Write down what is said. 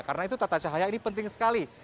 karena itu tata cahaya ini penting sekali